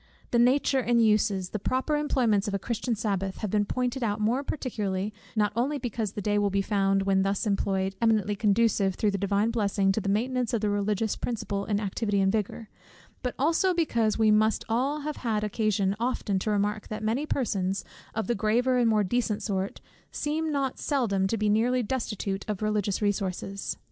The nature, and uses, and proper employments of a Christian Sabbath, have been pointed out more particularly, not only because the day will be found, when thus employed, eminently conducive, through the Divine blessing, to the maintenance of the religious principle in activity and vigour; but also because we must all have had occasion often to remark, that many persons, of the graver and more decent sort, seem not seldom to be nearly destitute of religious resources.